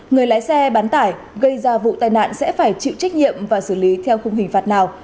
người lái xe bán tải gây ra vụ tai nạn sẽ phải chịu trách nhiệm và xử lý theo khung hình phạt nào